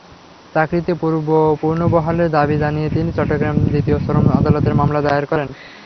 চাকরিতে পুনর্বহালের দাবি জানিয়ে তিনি চট্টগ্রাম দ্বিতীয় শ্রম আদালতে মামলা দায়ের করেন।